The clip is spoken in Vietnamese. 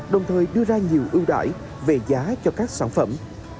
đồng thời đưa ra nhiều ưu đại về giá cho các sản phẩm